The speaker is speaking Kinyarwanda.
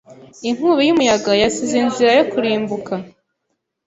Inkubi y'umuyaga yasize inzira yo kurimbuka.